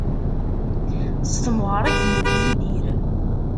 S temɣer i yemmut Yidir.